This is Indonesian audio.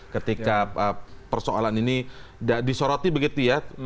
ketika persoalan ini disoroti begitu ya